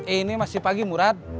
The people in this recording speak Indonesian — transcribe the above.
ini masih pagi murad